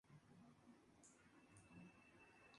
No valen la pena, porque siempre hay más en abundancia.